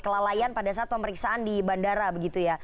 kelalaian pada saat pemeriksaan di bandara begitu ya